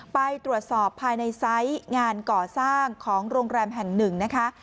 ไปตรวจสอบภายในไซส์งานก่อสร้างของโรงแรมแห่งหนึ่งนะคะ